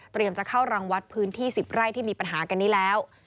จะเข้ารังวัดพื้นที่๑๐ไร่ที่มีปัญหากันนี้แล้ว